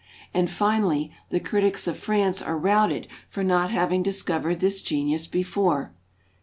And finally, the critics of France are routed for not having discovered this genius before.